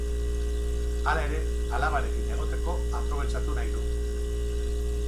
Hala ere, alabarekin egoteko aprobetxatu nahi du.